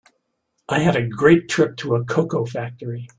I had a great trip to a cocoa factory.